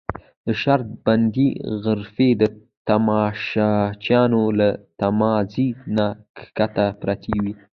د شرط بندۍ غرفې د تماشچیانو له تمځای نه کښته پرتې وې.